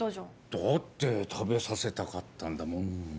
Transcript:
だって食べさせたかったんだもん。